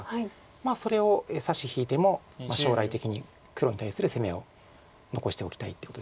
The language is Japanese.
それを差し引いても将来的に黒に対する攻めを残しておきたいっていうことです。